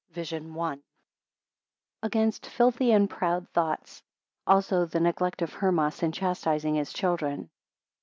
VISION I. 1 Against filthy and proud thoughts; 20 also the neglect of Hermas in chastising his children.